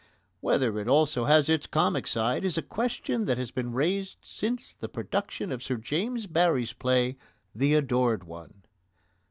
Whether it also has its comic side is a question that has been raised since the production of Sir James Barrie's play, The Adored One.